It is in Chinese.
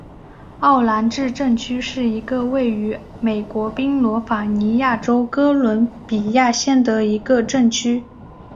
奥兰治镇区是一个位于美国宾夕法尼亚州哥伦比亚县的一个镇区。